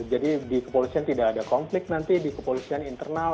jadi di kepolisian tidak ada konflik nanti di kepolisian internal